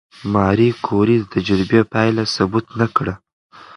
ماري کوري د تجربې پایله ثبت نه کړه؟